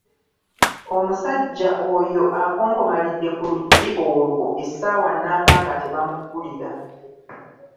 Omusajja oyo akonkomalidde ku luggi olwo essaawa nnamba nga tebamuggulira.